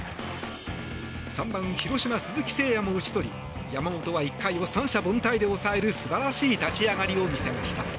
３番、広島、鈴木誠也も打ち取り山本は１回を三者凡退で抑える素晴らしい立ち上がりを見せました。